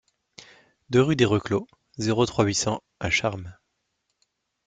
deux rue des Reclos, zéro trois, huit cents à Charmes